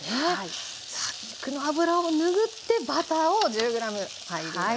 さあ肉の脂をぬぐってバターを１０ｇ入りました。